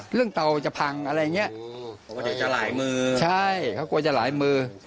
เราไปเผาที่ไหนครับ